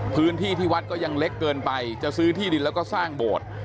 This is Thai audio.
พื้นที่ที่วัดก็ยังเล็กเกินไปจะซื้อที่ดินแล้วก็สร้างโบสถ์